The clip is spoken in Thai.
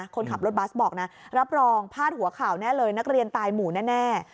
คนขับรถบัสบอกนะรับรองพาดหัวข่าวแน่เลยนักเรียนตายหมู่แน่